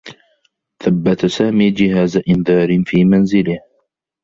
ثبّت سامي جهاز إنذار في منزله.